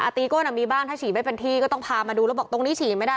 ตีก้นมีบ้างถ้าฉี่ไม่เป็นที่ก็ต้องพามาดูแล้วบอกตรงนี้ฉี่ไม่ได้